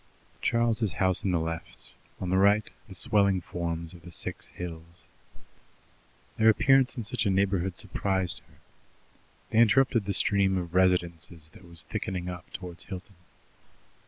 Charles's house on the left; on the right the swelling forms of the Six Hills. Their appearance in such a neighbourhood surprised her. They interrupted the stream of residences that was thickening up towards Hilton.